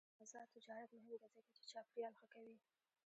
آزاد تجارت مهم دی ځکه چې چاپیریال ښه کوي.